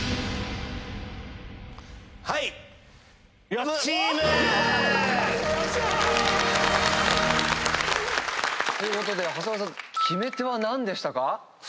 よっしゃ！ということで長谷川さん決め手は何でしたか？